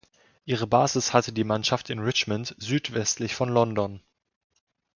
Ihre Basis hatte die Mannschaft in Richmond südwestlich von London.